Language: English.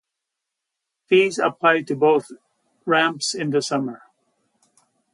Fees apply to both ramps in the summer.